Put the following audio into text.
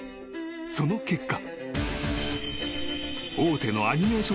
［その結果］